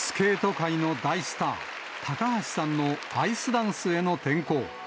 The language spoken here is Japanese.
スケート界の大スター、高橋さんのアイスダンスへの転向。